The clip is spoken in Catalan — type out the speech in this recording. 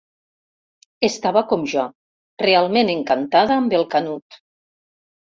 Estava com jo, realment encantada amb el Canut.